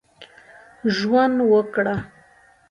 ژوند وکړ.